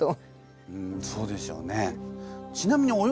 うんそうでしょうね。